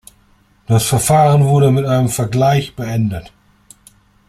Das Verfahren wurde mit einem Vergleich beendet.